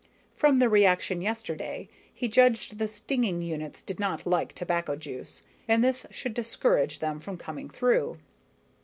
From the reaction yesterday, he judged the stinging units did not like tobacco juice, and this should discourage them from coming through.